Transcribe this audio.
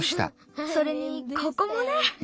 それにここもね。